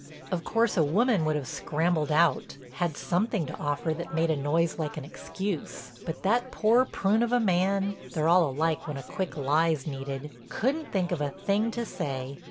Of course a woman would have scrambled out, had something to offer that made a noise like an excuse; but that poor prune of a man—they're all alike when a quick lie's needed—couldn't think of a thing to say.